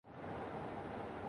سب کے ماتھے پر شکنیں پڑ گئیں